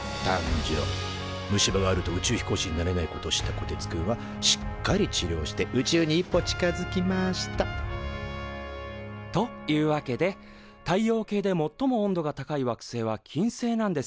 虫歯があると宇宙飛行士になれないことを知ったこてつくんはしっかり治りょうして宇宙に一歩近づきましたというわけで太陽系でもっとも温度が高い惑星は金星なんです。